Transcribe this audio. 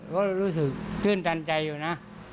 ก็รู้สึกตื่นตันใจอยู่นะ